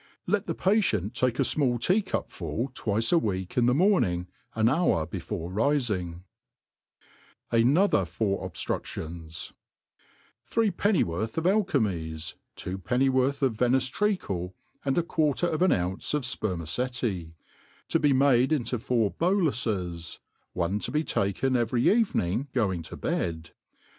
Let the patient take a fmall tea cup full twice a week in the morning, an hour before fifing, Jnoiher fir ObftruSious* THREE pennyworth of alkermes, two pennyworth of Ve nice treacle, and a quarter of an ounce of fpermaceti ; to be made into four bolufes, one to be taken every evening going to bed.